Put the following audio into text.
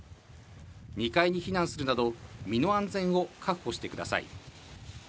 ２階に避難するなど、身の安全を確保してください。